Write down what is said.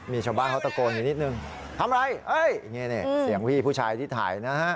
มีชาวบ้านเขาตะโกนอย่างนิดนึงทำไรเฮ้ยอย่างนี้เนี่ยเสียงพี่ผู้ชายที่ถ่ายนะฮะ